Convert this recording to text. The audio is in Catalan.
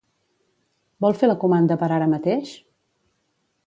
Vol fer la comanda per ara mateix?